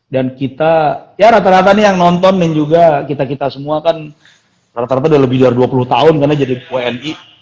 dan kita ya rata rata nih yang nonton dan juga kita kita semua kan rata rata udah lebih dari dua puluh tahun karena jadi wni